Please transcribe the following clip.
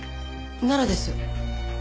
奈良です。